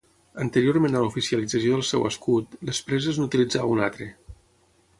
Anteriorment a l'oficialització del seu escut, les Preses n'utilitzava un altre.